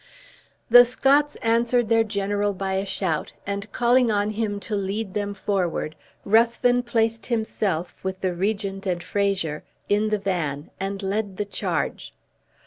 The Scots answered their general by a shout, and calling on him to lead them forward, Ruthven placed himself, with the regent and Fraser, in the van, and led the charge.